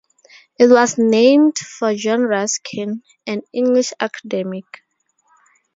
It was named for John Ruskin, an English academic.